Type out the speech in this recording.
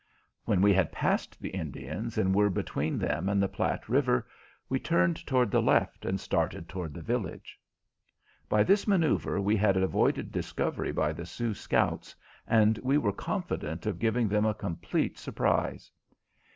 When we had passed the Indians, and were between them and the Platte River, we turned toward the left and started toward the village. By this manoeuver we had avoided discovery by the Sioux scouts, and we were confident of giving them a complete surprise.